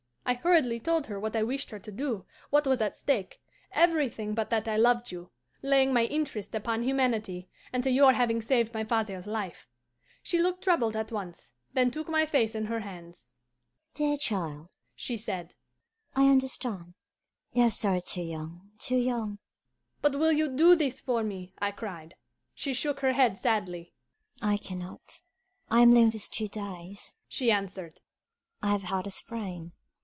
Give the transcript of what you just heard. I hurriedly told her what I wished her to do, what was at stake, everything but that I loved you; laying my interest upon humanity and to your having saved my father's life. She looked troubled at once, then took my face in her hands. 'Dear child,' she said, 'I understand. You have sorrow too young too young.' 'But you will do this for me?' I cried. She shook her head sadly. 'I can not. I am lame these two days,' she answered. 'I have had a sprain.